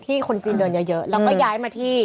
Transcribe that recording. คนจีนเดินเยอะแล้วก็ย้ายมาที่